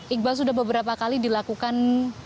iqbal sudah beberapa kali dilakukan